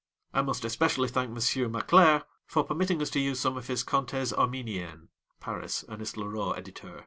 I must especially thank Monsieur Macler for permitting us to use some of his Contes Arméniens (Paris: Ernest Leroux, Editeur).